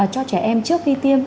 cho trẻ em trước khi tiêm